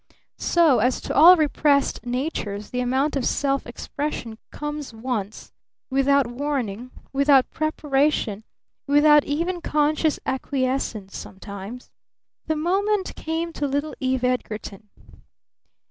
So as to all repressed natures the moment of full self expression comes once, without warning, without preparation, without even conscious acquiescence sometimes the moment came to little Eve Edgarton.